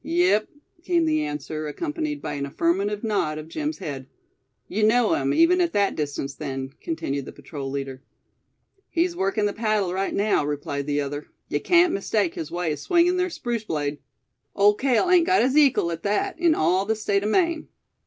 "Yep," came the answer, accompanied by an affirmative nod of Jim's head. "You know him, even at that distance, then?" continued the patrol leader. "He's workin' the paddle right now," replied the other. "Yuh cain't mistake his way o' swingin' ther spruce blade. Ole Cale hain't gut his ekal at thet in all the State o' Maine."